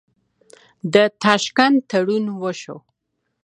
د تاشکند تړون وشو.